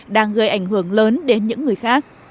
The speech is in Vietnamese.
đang gây ảnh hưởng lớn đến những người khác